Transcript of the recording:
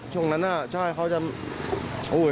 ช่วงนั้นน่ะใช่เขาจะโอ้โฮโอ๊ยเฮ่ย